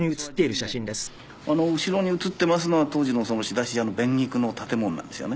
あの後ろに写っていますのは当時の仕出し屋の弁菊の建物なんですよね。